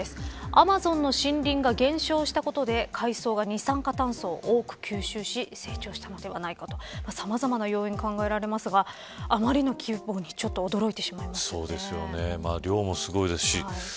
アマゾンの森林が減少したことで海藻が二酸化炭素を多く吸収し成長したのではないかとさまざまな要因が考えられますが量もすごいですし。